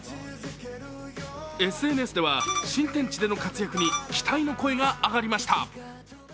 ＳＮＳでは新天地での活躍に期待の声が上がりました。